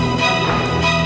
enggak baik baik tahu